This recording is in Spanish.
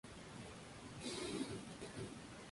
Antera ventral.